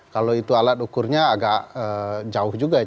kalau itu alat ukurnya agak jauh juga